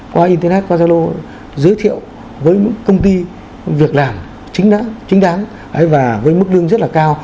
qua internet qua zalo giới thiệu với công ty việc làm chính đã chính đáng và với mức lương rất là cao